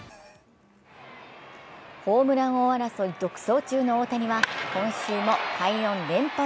ホームラン王争い独走中の大谷は今週も快音連発。